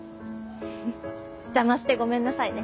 邪魔してごめんなさいね。